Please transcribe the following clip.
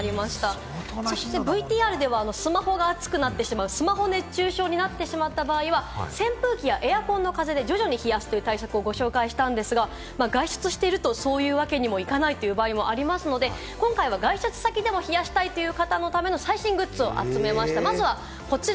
ＶＴＲではスマホが熱くなってしまうスマホ熱中症になってしまった場合は、扇風機やエアコンの風で徐々に冷やすという対策をご紹介したんですが、外出していると、そういうわけにもいかないという場合がありますので、今回は外出先でも冷やしたいという方のための最新グッズを集めました。